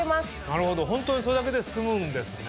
なるほどホントにそれだけで済むんですね。